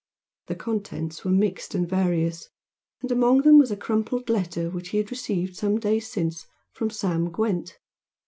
The contents were mixed and various, and among them was a crumpled letter which he had received some days since from Sam Gwent.